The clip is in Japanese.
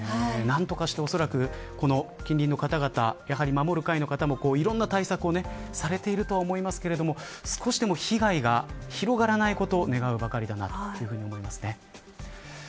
何とかしておそらく近隣の方々、守る会の方もいろんな対策をされているとは思いますが少しでも被害が広がらないことを願うばかりだなと思います。